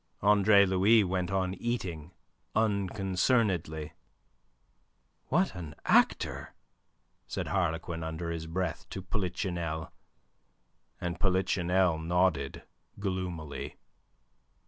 Andre Louis went on eating unconcernedly. "What an actor!" said Harlequin under his breath to Polichinelle, and Polichinelle nodded gloomily.